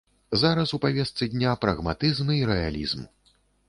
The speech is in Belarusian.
Зараз у павестцы дня прагматызм і рэалізм.